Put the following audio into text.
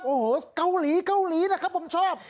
โอ้โหเกาหลีเกาหลีนะครับผมชอบ